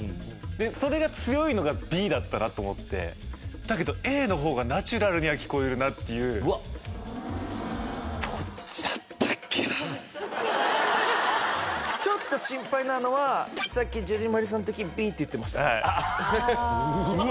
でそれが強いのがＢだったなと思ってだけどＡの方がナチュラルには聞こえるなっていうちょっと心配なのはさっきジュディマリさんの時Ｂって言ってましたうわ